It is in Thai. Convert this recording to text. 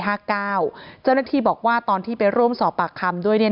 เจ้าหน้าที่บอกว่าตอนที่ไปร่วมสอบปากคำด้วย